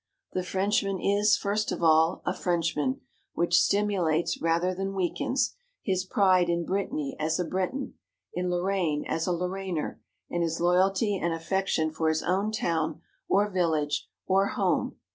The Frenchman is, first of all, a Frenchman, which stimulates, rather than weakens, his pride in Brittany as a Breton, in Lorraine as a Lorrainer, and his loyalty and affection for his own town, or village, or home.